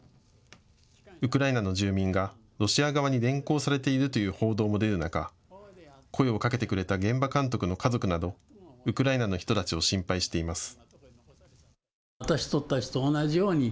ウクライナの住民がロシア側に連行されているという報道も出る中、声をかけてくれた現場監督の家族などウクライナの人たちを心配しています。